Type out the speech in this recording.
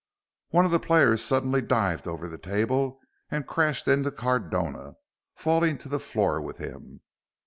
One of the players suddenly dived over the table and crashed into Cardona, falling to the floor with him.